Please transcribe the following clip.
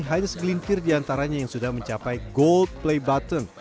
hanya segelintir diantaranya yang sudah mencapai gold play button